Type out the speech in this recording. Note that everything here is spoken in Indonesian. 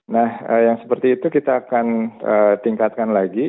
nah yang seperti itu kita akan tingkatkan lagi